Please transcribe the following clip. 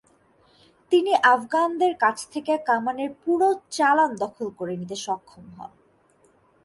তিনি আফগানদের কাছ থেকে কামানের পুরো চালান দখল করে নিতে সক্ষম হন।